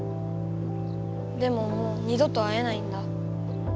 でももう二どと会えないんだ。